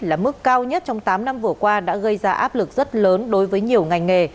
là mức cao nhất trong tám năm vừa qua đã gây ra áp lực rất lớn đối với nhiều ngành nghề